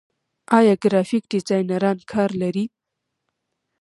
آیا ګرافیک ډیزاینران کار لري؟